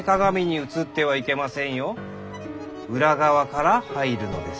裏側から入るのです。